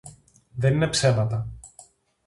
Δεν είναι ψέματα